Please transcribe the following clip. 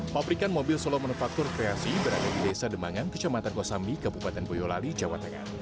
pabrikan mobil solo manufaktur kreasi berada di desa demangan kecamatan gosambi kabupaten boyolali jawa tengah